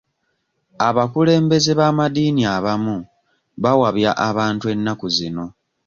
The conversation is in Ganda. Abakulembeze b'amaddiini abamu bawabya abantu ennaku zino.